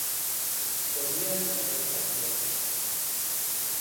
Doedd neb yn edrych ar y teledu.